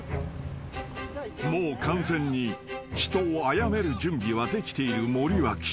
［もう完全に人をあやめる準備はできている森脇］